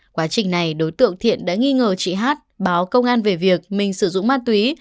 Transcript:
quá trình này đối tượng thiện đã nghi ngờ chị hát báo công an về việc mình sử dụng ma túy